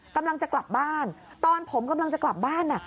กำลังจะกลับบ้านตอนผมกำลังจะกลับบ้าน